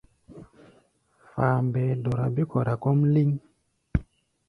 Fambɛɛ dɔra bé-kɔra kɔ́ʼm lɛ́ŋ.